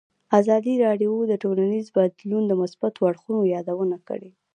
ازادي راډیو د ټولنیز بدلون د مثبتو اړخونو یادونه کړې.